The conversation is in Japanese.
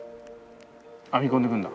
編み込んでいくんだ。